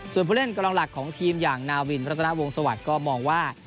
ส่วนผู้เล่นกำลังหลักของทีมอย่างนาวินรัตนาวงศวรรค์ก็มองว่า